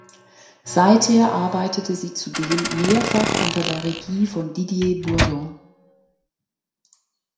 Seither arbeitete sie zudem mehrfach unter der Regie von Didier Bourdon.